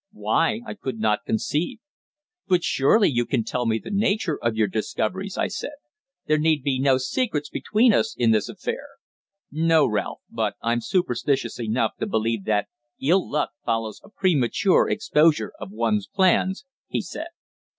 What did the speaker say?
Why, I could not conceive. "But surely you can tell me the nature of your discoveries?" I said. "There need be no secrets between us in this affair." "No, Ralph. But I'm superstitious enough to believe that ill luck follows a premature exposure of one's plans," he said.